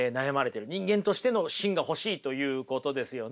人間としての芯が欲しいということですよね。